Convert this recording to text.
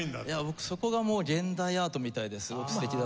僕そこがもう現代アートみたいですごく素敵だなって。